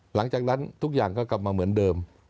หลังจากนั้นทุกอย่างก็กลับมาเหมือนเดิม